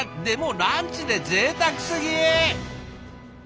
でもランチでぜいたくすぎ！